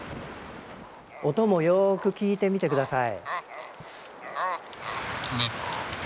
音もよく聞いてみて下さい。